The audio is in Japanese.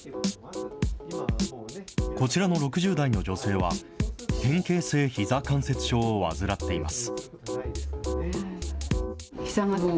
こちらの６０代の女性は、変形性ひざ関節症を患っています。